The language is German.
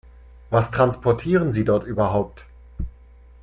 Was transportieren Sie dort überhaupt?